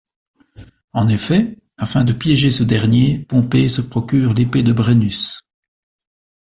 En effet, afin de piéger ce dernier, Pompée se procure l'épée de Brennus.